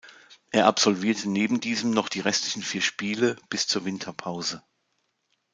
Er absolvierte neben diesem noch die restlichen vier Spiele bis zur Winterpause.